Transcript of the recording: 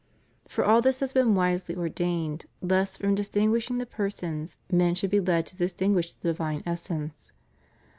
And all this has been wisely ordained, lest from distinguishing the persons men should be led to distinguish the divine essence.